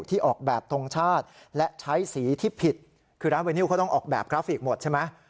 ที่ออกแบบทรงชาติและใช้สีที่ผิดคือร้านเวนิวเขาต้องออกแบบกราฟิกหมดใช่ไหม